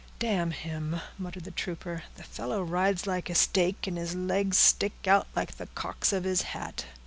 "Damn him," muttered the trooper. "The fellow rides like a stake, and his legs stick out like the cocks of his hat.